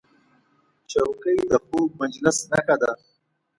چوکۍ د خوږ مجلس نښه ده.